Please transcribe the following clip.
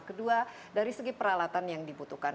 kedua dari segi peralatan yang dibutuhkan